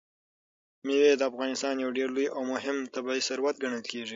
مېوې د افغانستان یو ډېر لوی او مهم طبعي ثروت ګڼل کېږي.